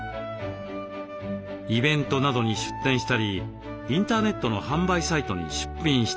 イベントなどに出展したりインターネットの販売サイトに出品したり。